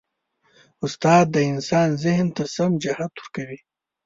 استاد د انسان ذهن ته سم جهت ورکوي.